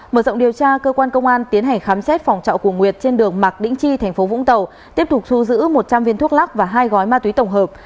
mở rộng điều tra cơ quan công an tiến hành khám xét phòng trọ của nguyệt trên đường mạc đĩnh chi tp vũng tàu tiếp tục thu giữ một trăm linh viên thuốc lắc và hai gói ma túy tổng hợp